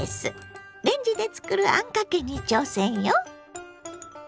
レンジで作るあんかけに挑戦よ！